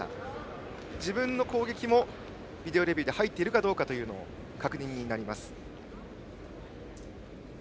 自分の攻撃もビデオレビューで入っているかの確認になります。